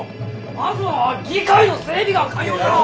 まずは議会の整備が肝要だろう！